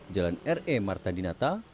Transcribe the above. jalan re marta dinata